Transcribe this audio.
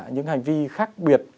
những hành vi khác biệt